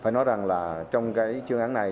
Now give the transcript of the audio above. phải nói rằng là trong cái chương án này